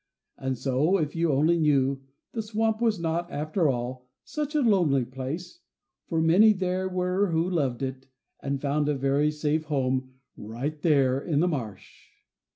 And so, if you only knew, the swamp was not, after all, such a lonely place, for many there were who loved it, and found a very safe home right there in the marsh.